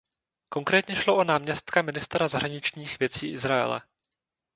Konkrétně šlo o náměstka ministra zahraničních věcí Izraele.